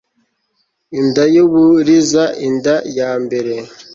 inda y' uburiza inda ya mbere